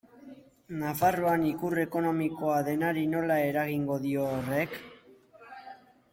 Nafarroan ikur ekonomikoa denari nola eragingo dio horrek?